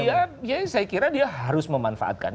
oh iya ya saya kira dia harus memanfaatkan